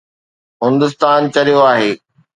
هندستان چريو آهي؟